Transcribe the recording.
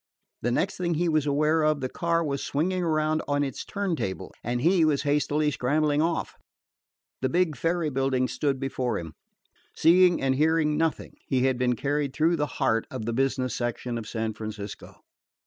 The next thing he was aware of, the car was swinging around on its turn table and he was hastily scrambling off. The big ferry building stood before him. Seeing and hearing nothing, he had been carried through the heart of the business section of San Francisco.